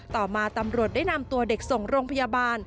ต่อมาตำรวจได้นำตัวเด็กส่งโรงพยาบาล